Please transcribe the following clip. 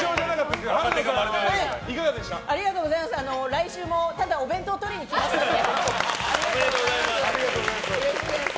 来週もお弁当を取りに来ますので。